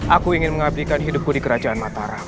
aku ingin mengabdikan hidupku di kerajaan mataram